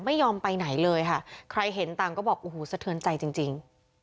ไม่ยอมไปไหนเลยค่ะใครเห็นต่างก็บอกโอ้โหสะเทือนใจจริง